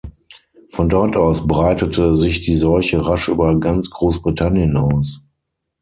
Von dort aus breitete sich die Seuche rasch über ganz Großbritannien aus.